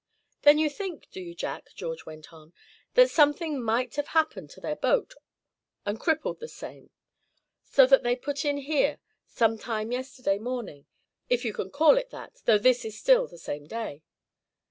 "Then you think, do you, Jack," George went on, "that something might have happened to their boat, and crippled the same, so that they put in here some time yesterday morning, if you can call it that, though this is still the same day?"